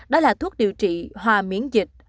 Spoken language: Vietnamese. đó là thuốc điều trị hòa miễn dịch